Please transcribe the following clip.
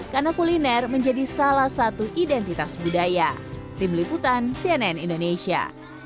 karena kuliner menjadi salah satu identitas budaya